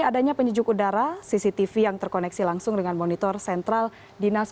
adanya penyujuk udara cctv yang terkoneksi langsung dengan monitor sentral dinas